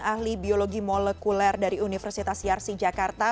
ahli biologi molekuler dari universitas yarsi jakarta